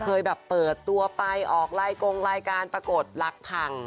เคยแบบเปิดตัวไปออกลายกงรายการปรากฏหลักพัง